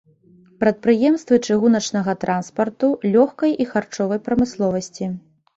Прадпрыемствы чыгуначнага транспарту, лёгкай і харчовай прамысловасці.